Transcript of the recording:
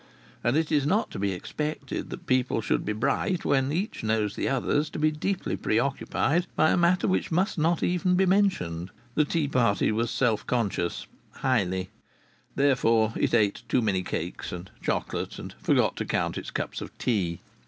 And it is not to be expected that people should be bright when each knows the others to be deeply preoccupied by a matter which must not even be mentioned. The tea party was self conscious, highly. Therefore, it ate too many cakes and chocolate, and forgot to count its cups of tea.